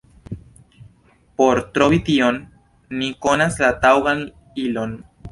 Por trovi tion, ni konas la taŭgan ilon: